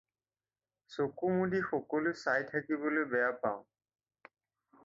চকু মুদি সকলো চাই থাকিবলৈ বেয়া পাওঁ।